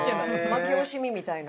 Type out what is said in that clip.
負け惜しみみたいな。